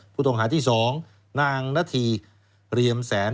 พูดตรงหาที่๒นางณฑีเรียมแสน